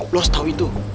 lo harus tau itu